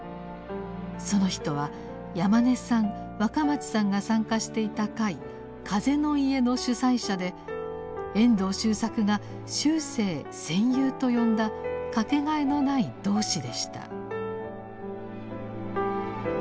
その人は山根さん若松さんが参加していた会「風の家」の主宰者で遠藤周作が終生「戦友」と呼んだ掛けがえのない同志でした。